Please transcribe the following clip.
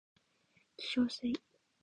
化粧水 ｓ